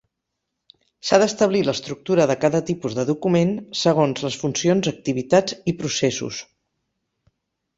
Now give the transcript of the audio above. S'ha d'establir l'estructura de cada tipus de document segons les funcions activitats i processos.